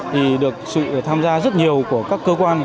thì được sự tham gia rất nhiều của các cơ quan